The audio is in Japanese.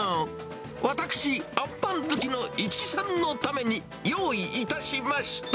私、あんパン好きの市來さんのために、用意いたしました。